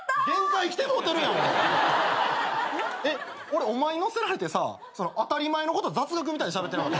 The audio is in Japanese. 俺お前に乗せられてさ当たり前のこと雑学みたいにしゃべってなかった？